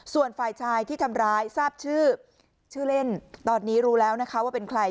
ส่วนฝ่ายชายที่ทำร้ายทราบชื่อชื่อเล่นตอนนี้รู้แล้วนะคะว่าเป็นใคร